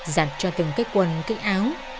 giặt cho từng cái quần cái áo